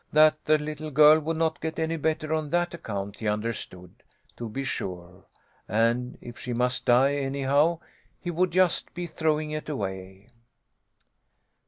That the little girl would not get any better on that account he understood, to be sure, and if she must die anyhow, he would just be throwing it away.